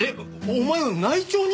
お前を内調に？